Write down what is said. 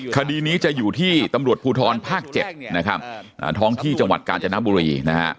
คดีนี้จะอยู่ที่ตำรวจภูทรภาค๗นะครับท้องที่จังหวัดกาญจนบุรีนะฮะ